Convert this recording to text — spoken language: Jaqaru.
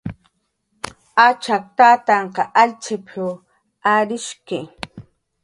"Achak tatiq allchp""shq arishki"